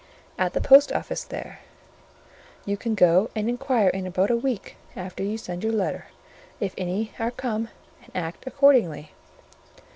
at the post office there; you can go and inquire in about a week after you send your letter, if any are come, and act accordingly."